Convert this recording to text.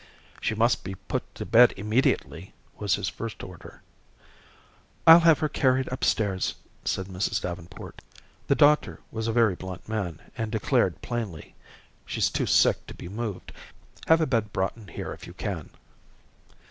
"She must be put to bed immediately," was his first order. "I'll have her carried up stairs," said Mrs. Davenport. The doctor was a very blunt man and declared plainly: "She's too sick to be moved. Have a bed brought in here if you can."